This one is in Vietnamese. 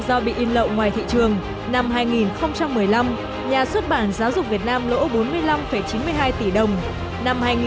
do bị in lậu ngoài thị trường năm hai nghìn một mươi năm nhà xuất bản giáo dục việt nam lỗ bốn mươi năm chín mươi hai tỷ đồng